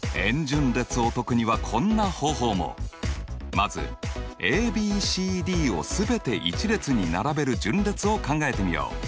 まずＡＢＣＤを全て一列に並べる順列を考えてみよう。